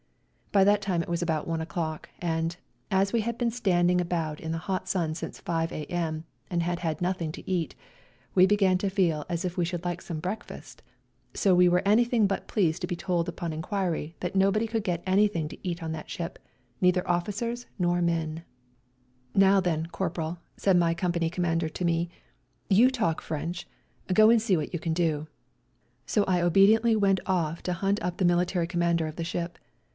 By that time it was about 1 o'clock, and, as we had been standing about in the hot sun since 5 a.m. and had had nothing to eat, we began to feel as if we should like some breakfast; so we were any thing but pleased to be told upon enquiry that nobody could get anything to eat on that ship, neither officers nor men. WE GO TO CORFU 201 " Now then, Corporal," said my com pany Commander to me," you talk French; go and see what you can do." So I obediently went off to hunt up the Military Commander of the ship.